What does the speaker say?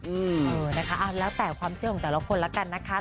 เออนะคะแล้วแต่ความเชื่อของแต่ละคนแล้วกันนะคะ